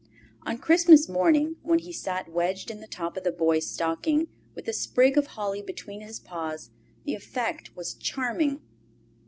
On Christmas morning, when he sat wedged in the top of the Boy's stocking, with a sprig of holly between his paws, the effect was charming.